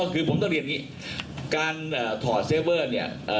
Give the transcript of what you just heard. คือผมต้องเรียนอย่างนี้การถอดเซเวอร์เนี่ย